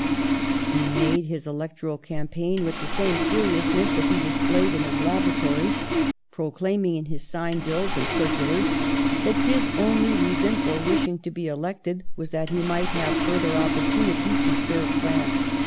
He made his electoral campaign with the same seriousness that he displayed in his labor atory, proclaiming in his sign bills and circu lars that his only reason for wishing to be elected was that he might have further oppor 120 PASTEUR tunity to serve France.